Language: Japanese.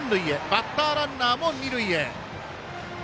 バッターランナーも二塁へ。